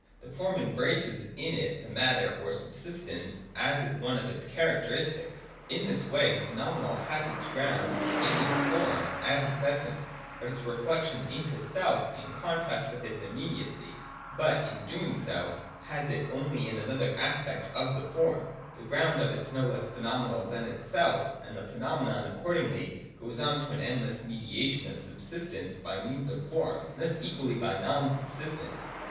The form embraces in it the matter or subsist ence as one of its characteristics. In this way the phe nomenal has its ground in this (form) as its essence, its reflection into self in contrast with its immediacy, but, in so doing, has it only in another aspect of the form. This ground of its is no less phenomenal than itself, and the phenomenon accordingly goes on to an endless me diation of subsistence by means of form, and thus equally by non subsistence.